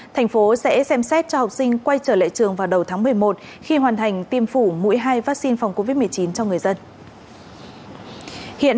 thành phố sẽ xem xét cho học sinh quay trở lại trường vào đầu tháng một mươi một khi hoàn thành tiêm phủ mũi hai vaccine phòng covid một mươi chín cho người dân